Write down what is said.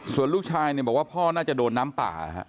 ส่วนลูกชายเนี่ยบอกว่าพ่อน่าจะโดนน้ำป่า